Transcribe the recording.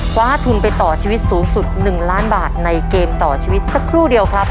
คว้าทุนไปต่อชีวิตสูงสุด๑ล้านบาทในเกมต่อชีวิตสักครู่เดียวครับ